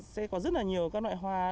sẽ có rất là nhiều các loại hoa